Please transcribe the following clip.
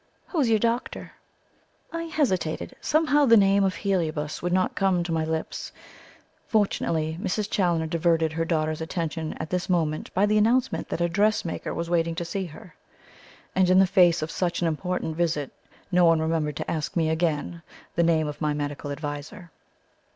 "Who's your doctor?" I hesitated. Somehow the name of Heliobas would not come to my lips. Fortunately Mrs. Challoner diverted her daughter's attention at this moment by the announcement that a dressmaker was waiting to see her; and in the face of such an important visit, no one remembered to ask me again the name of my medical adviser.